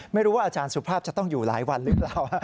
อาจารย์สุภาพจะต้องอยู่หลายวันหรือเปล่า